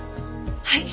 はい。